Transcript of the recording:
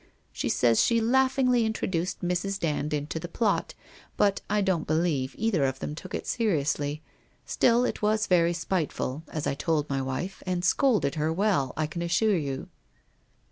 She says she laughingly introduced Mrs. Dand into the plot, but I don't believe either of them took it seriously. Still it was very spiteful, as I told my wife, and scolded her well, I can assure you.'